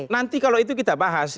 nanti kalau itu kita bahas